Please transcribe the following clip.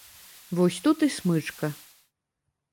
Вось тут і смычка.